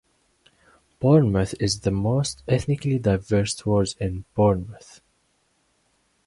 Bournemouth is the most ethnically diverse wards in Bournemouth.